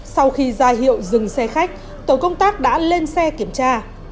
sau khi ra hiệu dừng xe khách tổ công tác đã lên xe kiểm tra